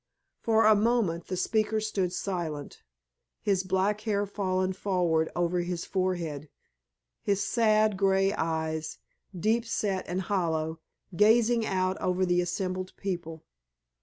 For a moment the speaker stood silent, his black hair fallen forward over his forehead, his sad grey eyes, deep set and hollow, gazing out over the assembled people.